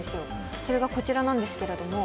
それがこちらなんですけれども。